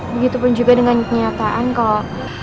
begitupun juga dengan kenyataan kalau